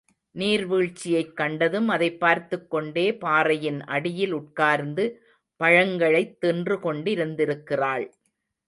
நீர் வீழ்ச்சியைக் கண்டதும் அதைப் பார்த்துக்கொண்டே பாறையின் அடியில் உட்கார்ந்து பழங்களைத் தின்று கொண்டிருத்திருக்கிறாள்.